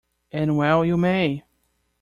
And well you may.